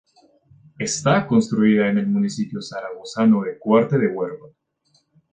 Está construida en el municipio zaragozano de Cuarte de Huerva.